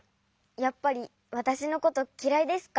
やっぱりわたしのこときらいですか？